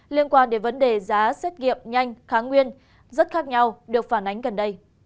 liên quan đến vấn đề giá xét nghiệm nhanh kháng nguyên rất khác nhau được phản ánh gần đây